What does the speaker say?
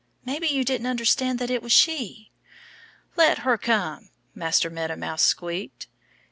"Maybe you didn't understand that it was she." "Let her come!" Master Meadow Mouse squeaked.